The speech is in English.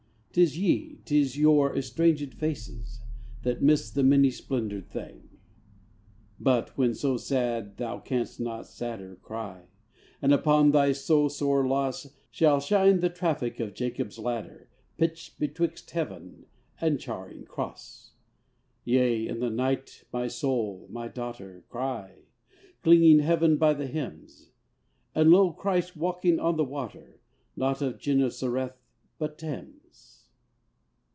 'Tis ye, 'tis your estrangèd faces, That miss the many splendoured thing. But (when so sad thou canst not sadder) Cry; and upon thy so sore loss Shall shine the traffic of Jacob's ladder Pitched betwixt Heaven and Charing Cross. Yea, in the night, my Soul, my daughter, Cry, clinging Heaven by the hems; And lo, Christ walking on the water, Not of Genesareth, but Thames!